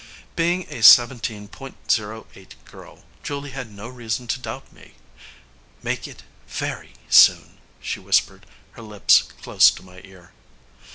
Being a Seventeen Point Zero Eight girl, Julie had no reason to doubt me. "Make it very soon," she whispered, her lips close to my ear.